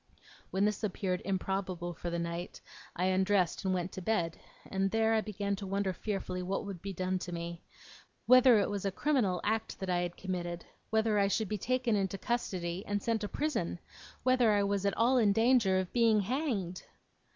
When this appeared improbable for that night, I undressed, and went to bed; and, there, I began to wonder fearfully what would be done to me. Whether it was a criminal act that I had committed? Whether I should be taken into custody, and sent to prison? Whether I was at all in danger of being hanged?